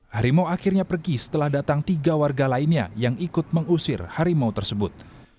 harimau akhirnya pergi setelah datang tiga warga lainnya yang ikut mengusir harimau tersebut